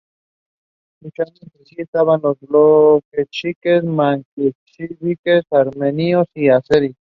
Luchando entre sí estaban los bolcheviques, mencheviques, armenios y azeríes.